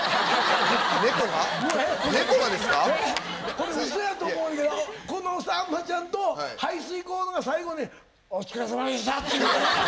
これ嘘やと思うんやけどこの「さんまちゃん」と排水口のが最後に「お疲れさまでした」って。